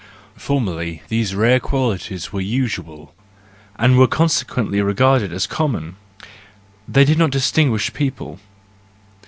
Formerly these rare qualities were usual, and were conse¬ quently regarded as common: they did not dis¬ tinguish people.